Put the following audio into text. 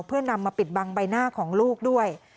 เพื่อนำมาปิดบังใบหน้าของลูกด้วย